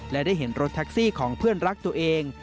และได้เห็นรถแท็กซี่ของเพื่อนรักตัวเอง